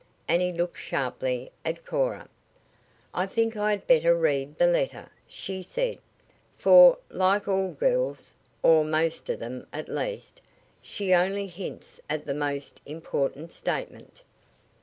and he looked sharply at Cora. "I think I had better read the letter," she said, "for, like all girls, or most of them, at least, she only hints at the most important statement."